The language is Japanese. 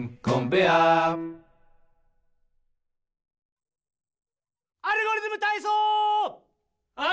「アルゴリズムたいそう」！